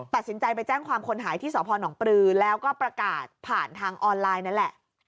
ตัดสินใจไปแจ้งความคนหายที่สพนปลือแล้วก็ประกาศผ่านทางออนไลน์นั่นแหละ